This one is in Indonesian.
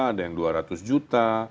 ada yang dua ratus juta